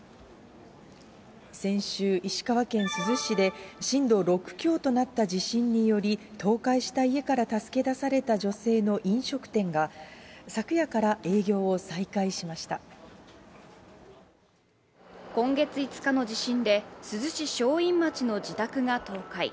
先週、石川県珠洲市で震度６強となった地震により倒壊した家から助け出された女性の飲食店が、今月５日の地震で、珠洲市正院町の自宅が倒壊。